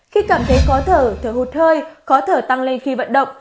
khi cảm thấy khó thở thở hụt hơi khó thở tăng lên khi vận động